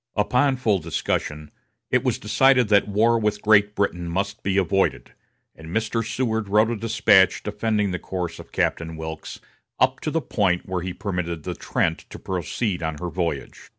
Upon full discussion, it was decided that war with Great Britain must be avoided, and Mr. Seward wrote a despatch defending the course of Captain Wilkes up to the point where he permitted the Trent to proceed on her voyage.